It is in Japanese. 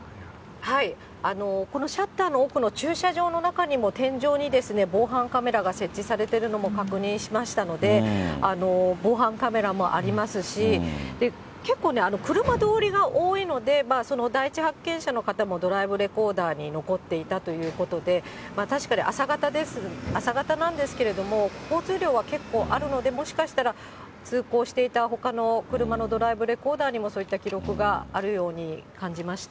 このシャッターの奥の駐車場の中にも、天井に防犯カメラが設置されてるのも確認しましたので、防犯カメラもありますし、結構ね、車通りが多いので、第一発見者の方も、ドライブレコーダーに残っていたということで、確かに朝方なんですけれども、交通量は結構あるので、もしかしたら、通行していたほかの車のドライブレコーダーにも、そういった記録があるように感じました。